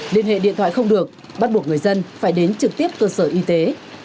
liên hệ điện thoại không được bắt buộc người dân phải đến trực tiếp cơ sở y tế